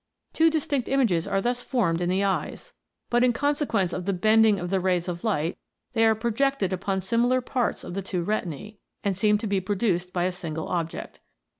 Two distinct images are thus formed in the eyes, but in conse 110 TWO EYES ARE BETTER THAN ONE. quence of the bending of the rays of light, they are projected upon similar parts of the two retinae, and seem to be produced by a single object.